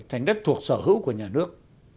thành đất thuộc sở hữu của nhà nước